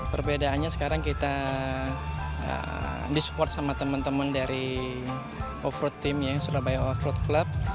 perbedaannya sekarang kita di support sama teman teman dari off road team ya surabaya off road club